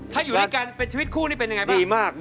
ถ้าอยู่ด้วยกันเป็นชีวิตคู่นี่เป็นยังไงบ้างดีมาก